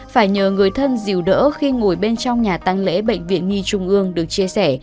phải nhờ người thân dìu đỡ khi ngồi bên trong nhà tăng lễ bệnh viện nhi trung ương được chia sẻ